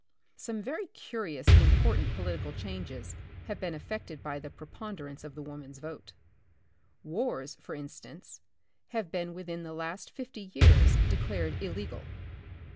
Some very curious and important political changes have been effected by the preponder ance of the woman's vote. Wars, for instance, have been within the last fifty years declared illegal.